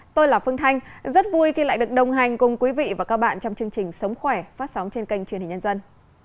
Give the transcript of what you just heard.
tôi là phương thanh rất vui khi lại được đồng hành cùng quý vị và các bạn trong chương trình sống khỏe phát sóng trên kênh truyền hình nhân dân